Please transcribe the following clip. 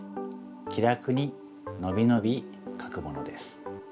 気楽にのびのびかくものです。